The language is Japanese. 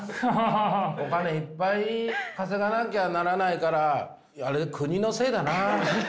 お金いっぱい稼がなきゃならないから国のせいだな。